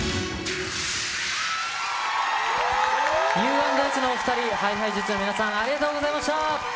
Ｕ＆Ｓのお２人、ＨｉＨｉＪｅｔｓの皆さん、ありがとうございました。